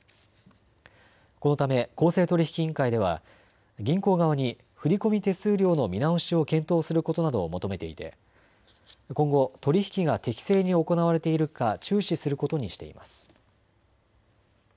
このため公正取引委員会では銀行側に振込手数料の見直しを検討することなどを求めていて今後、取り引きが適正に行われているか注視することにしています。